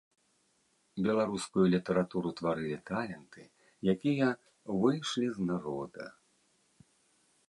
Беларускую літаратуру тварылі таленты, якія выйшлі з народа.